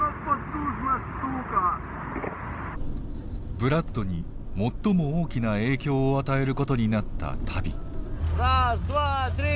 ブラッドに最も大きな影響を与えることになった旅。